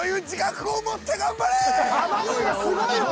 濱家がすごいわ。